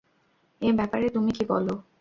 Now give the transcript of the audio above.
এ ব্যাপারে তুমি কী বলো?